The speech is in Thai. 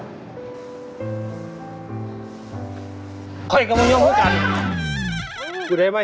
ใครจะมีบายที่จะจบขนาดนี้